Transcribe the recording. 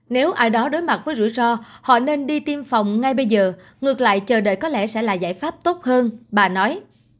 nếu ai đó đối mặt với rủi ro họ nên đi tiêm phòng ngay bây giờ ngược lại chờ đợi có lẽ sẽ là giải pháp tốt hơn bà nói